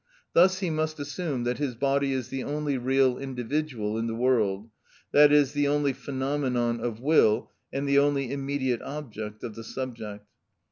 Thus he must assume that his body is the only real individual in the world, i.e., the only phenomenon of will and the only immediate object of the subject.